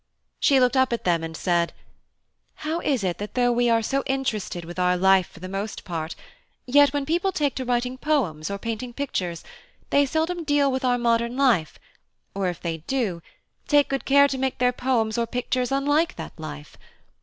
She looked up at them, and said: "How is it that though we are so interested with our life for the most part, yet when people take to writing poems or painting pictures they seldom deal with our modern life, or if they do, take good care to make their poems or pictures unlike that life?